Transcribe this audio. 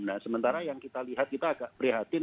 nah sementara yang kita lihat kita agak prihatin